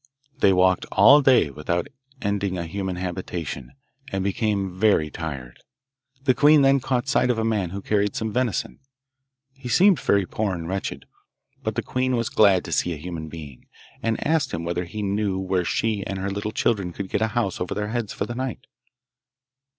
They walked all day without ending a human habitation, and became very tired. The queen then caught sight of a man who carried some venison. He seemed very poor and wretched, but the queen was glad to see a human being, and asked him whether he knew where she and her little children could get a house over their heads for the night.